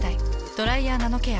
「ドライヤーナノケア」。